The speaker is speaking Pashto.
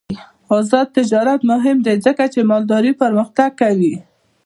آزاد تجارت مهم دی ځکه چې مالداري پرمختګ کوي.